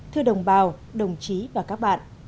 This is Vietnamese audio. thưa đồng bào đồng chí và các bạn